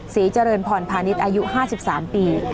ศรีเจริญพรพาณิชย์อายุ๕๓ปี